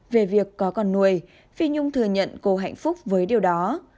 về việc có con nuôi phi nhung thừa nhận cô hạnh phúc với điều đó